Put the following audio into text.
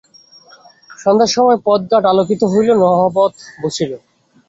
সন্ধ্যার সময় পথঘাট আলোকিত হইল, নহবত বসিল।